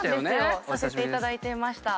させていただいていました。